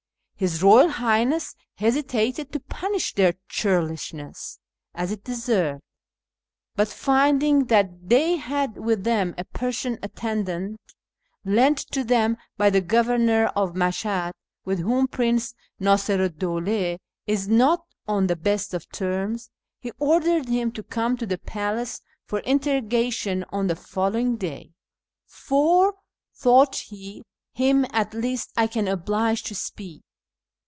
His Eoyal Highness hesitated to punish their churlishness as it deserved ; but, finding that they had with them a Persian attendant lent to them by the Governor of Mashhad (witli whom Prince Nasiru 'd Dawla is not on the best of terms), he ordered him to come to the palace for interrogation on the following day ;' for,' thought he, ' him at least I can oblige to speak.'